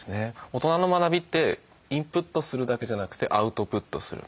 大人の学びってインプットするだけじゃなくてアウトプットする。